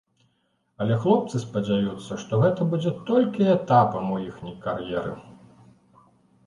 Але хлопцы спадзяюцца, што гэта будзе толькі этапам у іхняй кар'еры.